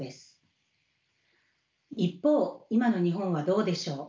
一方今の日本はどうでしょう。